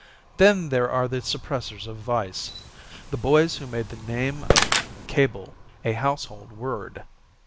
Then there are the Suppressors of Vice; The Boys Who Made the Name of Cabell a Household Word.